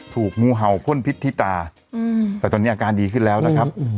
ถูกงูเห่าพ่นพิษที่ตาแต่ตอนนี้อาการดีขึ้นแล้วนะครับ